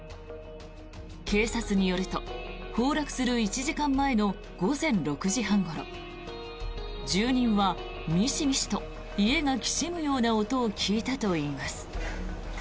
警察によると崩落する１時間前の午前６時半ごろ住人はミシミシと家がきしむような音を聞いたといいます。